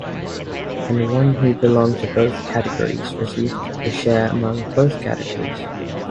And one who belonged to both categories received a share among both categories.